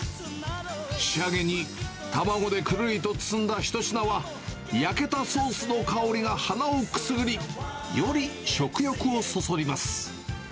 仕上げに卵でくるりと包んだ一品は、焼けたソースの香りが鼻をくすぐり、より食欲をそそります。